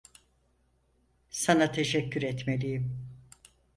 Sana teşekkür etmeliyim.